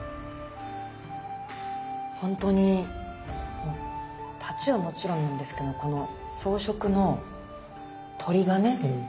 ほんとに太刀はもちろんなんですけどこの装飾の鳥がね